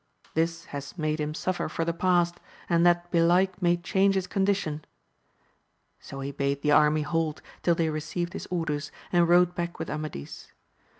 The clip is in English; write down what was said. This has made him suffer for the past, and that belike may change his condition I So he bade the army halt till they re ceived his orders, and rode back with Amadis.